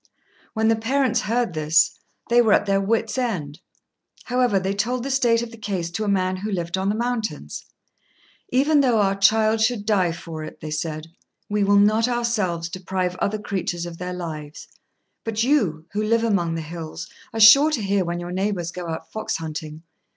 When the parents heard this, they were at their wits' end. However, they told the state of the case to a man who lived on the mountains. "Even though our child should die for it," they said, "we will not ourselves deprive other creatures of their lives; but you, who live among the hills, are sure to hear when your neighbours go out fox hunting.